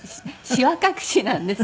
しわ隠しなんです。